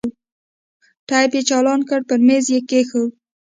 ټېپ يې چالان کړ پر ميز يې کښېښود.